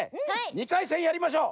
２かいせんやりましょう。